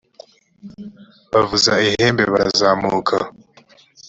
bavuza ihembe barazamuka